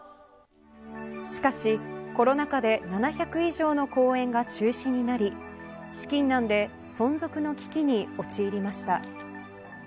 しかし、コロナ禍で７００以上の公演が中止になり資金難で存続の危機に陥りました。